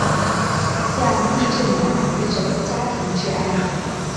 向地震男死者的家庭致哀。